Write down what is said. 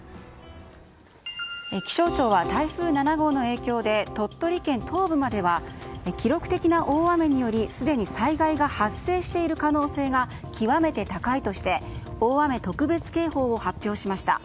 気象庁は台風７号の影響で鳥取県東部までは記録的な大雨によりすでに災害が発生している可能性が極めて高いとして大雨特別警報を発表しました。